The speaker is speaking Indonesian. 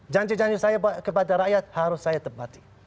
janji janji saya kepada rakyat harus saya tepati